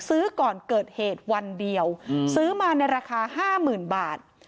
ซื้อก่อนเกิดเหตุวันเดียวอืมซื้อมาในราคาห้าหมื่นบาท